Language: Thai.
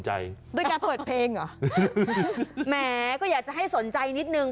แหมก็อยากจะให้สนใจนิดนึง